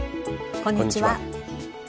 こんにちは。